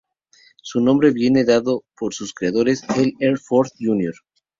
Su nombre viene dado por sus creadores, L. R. Ford, Jr.